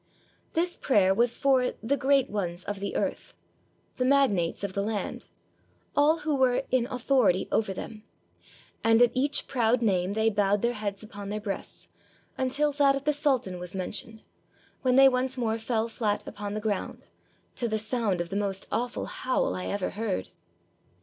This prayer was for "the great ones of the earth" — the magnates of the land — all who were "in authority over them"; and at each proud name they bowed their heads upon their breasts, until that of the sultan was mentioned, when they once more fell fiat upon the ground, to the sound of the most awful howl I ever heard.